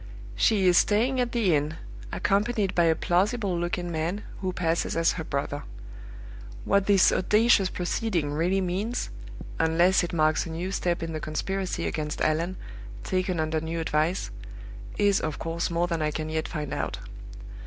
She is staying at the inn, accompanied by a plausible looking man, who passes as her brother. What this audacious proceeding really means unless it marks a new step in the conspiracy against Allan, taken under new advice is, of course, more than I can yet find out.